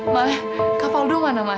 mak kak faldun mana mak